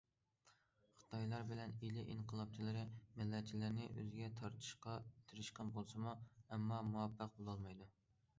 خىتايلار بىلەن ئىلى ئىنقىلابچىلىرى مىللەتچىلەرنى ئۆزىگە تارتىشقا تىرىشقان بولسىمۇ، ئەمما مۇۋەپپەق بولالمايدۇ.